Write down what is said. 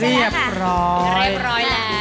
เรียบร้อยเรียบร้อยแล้ว